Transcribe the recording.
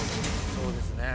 そうですね。